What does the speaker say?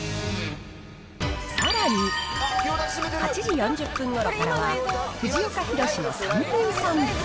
さらに、８時４０分ごろからは、藤岡弘、の３分散歩。